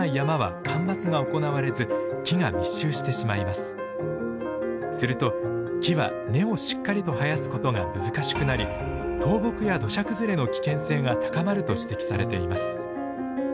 すると木は根をしっかりと生やすことが難しくなり倒木や土砂崩れの危険性が高まると指摘されています。